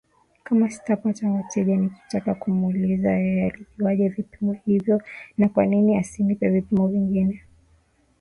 kama sitapata wateja Nilitaka kumuuliza yeye alijuaje vipimo hivyo na kwanini asinipe vipimo vingine